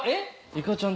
いかちゃん